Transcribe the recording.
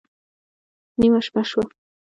نېمه شپه شوه